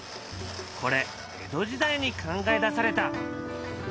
これ江戸時代に考え出された。